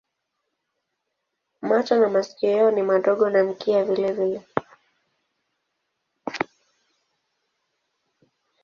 Macho na masikio yao ni madogo na mkia vilevile.